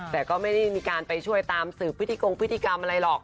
แต่ก็ไม่ได้มีการไปช่วยตามสืบพิธีกงพิธีกรรมอะไรหรอก